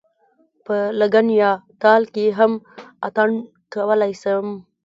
په لګن یا تال کې هم اتڼ کولای شم.